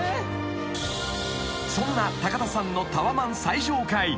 ［そんな田さんのタワマン最上階］